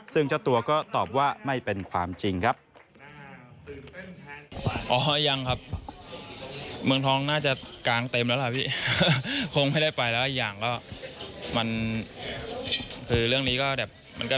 ซึ่งเจ้าตัวก็ตอบว่าไม่เป็นความจริงครับ